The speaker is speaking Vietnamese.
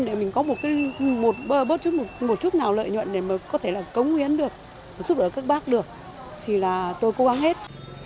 để mình có một chút nào lợi nhuận để có thể cống nguyên được giúp đỡ các bác được thì là tôi cố gắng hết